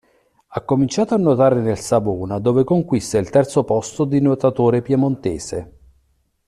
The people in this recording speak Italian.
Ha cominciato a nuotare nel Savona dove conquista il terzo posto di nuotatore piemontese.